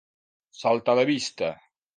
Saltar a la vista.